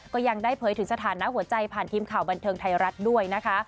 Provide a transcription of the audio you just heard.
ก็ยังได้เผยถึงสถานะหัวใจผ่านทีมข่าวบันเทิงไทยรัฐด้วยนะคะ